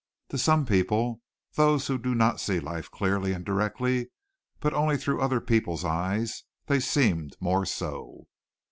To some people, those who do not see life clearly and directly, but only through other people's eyes, they seemed more so.